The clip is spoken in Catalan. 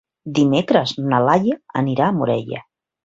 Dimecres na Laia anirà a Morella.